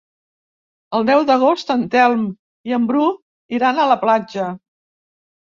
El deu d'agost en Telm i en Bru iran a la platja.